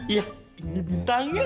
iya ini bintangnya